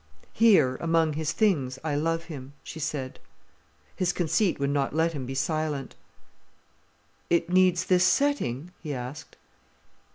"Here, among his things, I love him," she said. His conceit would not let him be silent. "It needs this setting?" he asked.